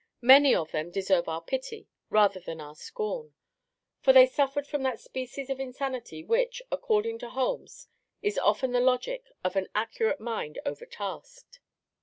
Many of them deserve our pity rather than our scorn; for they suffered from that species of insanity which, according to Holmes, is often the logic of an accurate mind overtasked.